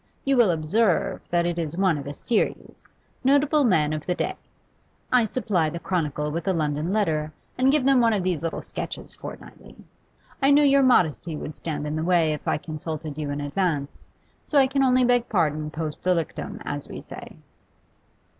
You will observe that it is one of a seris notable men of the day. I supply the "Chronicle" with a London letter, and give them one of these little sketches fortnightly. I knew your modesty would stand in the way if I consulted you in advance, so I can only beg pardon post delictum, as we say.